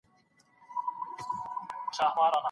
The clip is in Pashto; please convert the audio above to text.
حکومت بايد د داسي شومو تصميمونو مخه ونيسي.